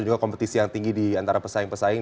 juga kompetisi yang tinggi di antara pesaing pesaing